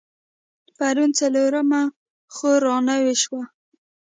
پرون څلرمه خور رانوې شوه.